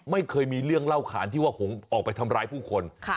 ไม่เคยมีเรื่องเล่าขานที่ว่าผมออกไปทำร้ายผู้คน